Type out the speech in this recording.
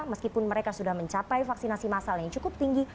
meskipun mereka sudah mencapai vaksinasi massal yang cukup tinggi